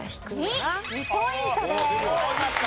２。２ポイントです。